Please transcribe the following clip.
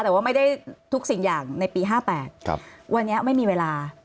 แต่ว่าไม่ได้ทุกสิ่งอย่างในปี๕๘วันนี้ไม่มีเวลา